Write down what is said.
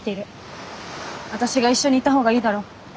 私が一緒にいたほうがいいだろう。